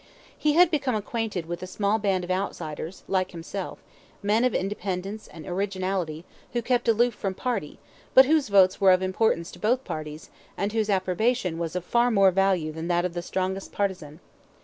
He had become acquainted with a small band of outsiders like himself, men of independence and originality, who kept aloof from party, but whose votes were of importance to both parties, and whose approbation was of far more value than that of the strongest partizan.